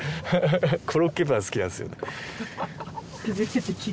コロッケパン好きなんですよね